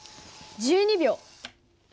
１２秒。